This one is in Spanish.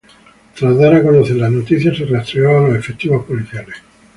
Tras dar a conocer la noticia se rastreó a los efectivos policiales.